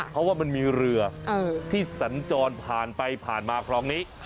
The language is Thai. เพราะว่ามันมีเรือที่สัญจรผ่านไปผ่านมาคลองนี้